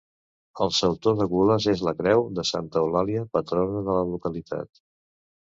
El sautor de gules és la creu de Santa Eulàlia, patrona de la localitat.